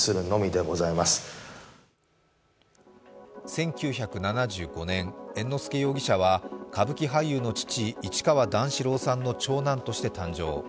１９７５年、猿之助容疑者は歌舞伎俳優の父、市川段四郎さんの長男として誕生。